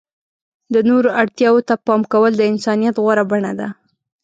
د نورو اړتیاوو ته پام کول د انسانیت غوره بڼه ده.